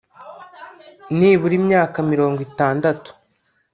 nibura imyaka mirongo itandatu